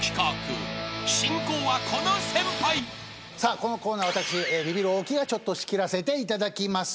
このコーナーは私ビビる大木が仕切らせていただきます。